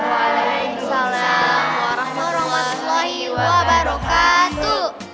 waalaikumsalam warahmatullahi wabarakatuh